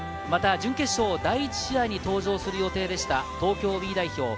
準決勝第１試合に登場する予定でした東京Ｂ代表